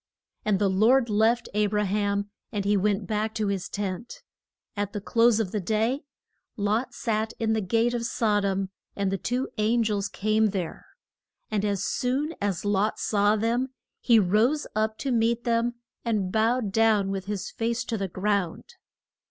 And the Lord left A bra ham and he went back to his tent. At the close of the day, Lot sat in the gate of Sod om and two an gels came there. And as soon as Lot saw them he rose up to meet them and bowed down with his face to the ground.